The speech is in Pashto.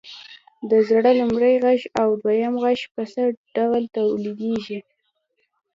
د زړه لومړی غږ او دویم غږ په څه ډول تولیدیږي؟